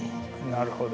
なるほど。